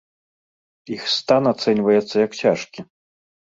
Іх стан ацэньваецца як цяжкі.